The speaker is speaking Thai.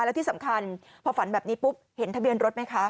แล้วที่สำคัญพอฝันแบบนี้ปุ๊บเห็นทะเบียนรถไหมคะ